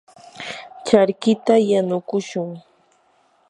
charkita yanukushun.